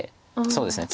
そうですね